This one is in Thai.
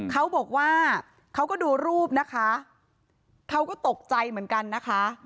เขาบอกว่าเขาก็ดูรูปนะคะเขาก็ตกใจเหมือนกันนะคะ